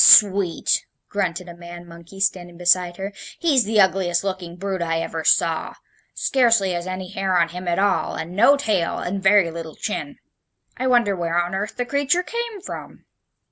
"Sweet!" grunted a man monkey standing beside her, "he's the ugliest looking brute I ever saw! Scarcely has any hair on him at all, and no tail, and very little chin. I wonder where on earth the creature came from?"